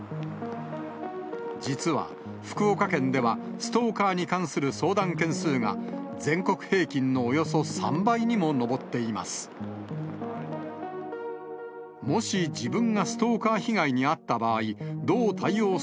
実は福岡県では、ストーカーに関する相談件数が、全国平均のおよそ３倍にも上っています。